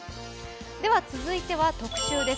では、続いては特集です。